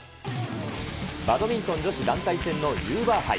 バドミントン女子団体戦のユーバー杯。